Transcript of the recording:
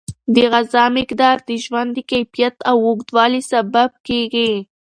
د غذا مقدار د ژوند د کیفیت او اوږدوالي سبب کیږي.